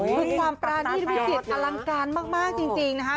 คือความปรานีตวิจิตรอลังการมากจริงนะคะ